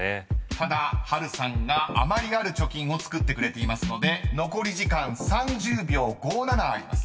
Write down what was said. ［ただ波瑠さんが余りある貯金をつくっていますので残り時間３０秒５７あります］